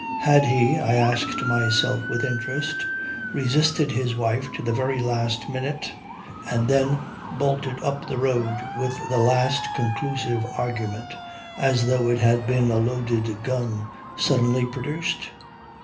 Had he I asked myself with interest resisted his wife to the very last minute and then bolted up the road from the last conclusive argument, as though it had been a loaded gun suddenly produced?